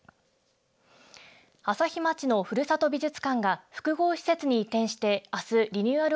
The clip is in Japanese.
朝日町のふるさと美術館が複合施設に移転してあすリニューアル